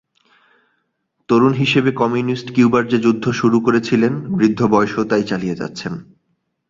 তরুণ হিসেবে কমিউনিস্ট কিউবার যে যুদ্ধ শুরু করেছিলেন, বৃদ্ধ বয়সেও তাই চালিয়ে যাচ্ছেন।